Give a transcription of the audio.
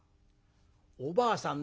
おばあさん